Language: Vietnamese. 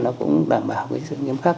nó cũng đảm bảo cái sự nghiêm khắc